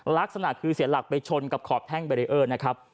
ลักษณะคือเสียหลักไปชนกับขอบแท่งเบรีเออร์นะครับ